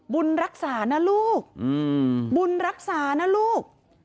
บุญรักษานะลูกบุญรักษานะลูก